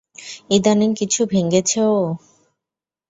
ইদানীং কিছু ভেঙেছে ও?